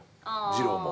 じろうも。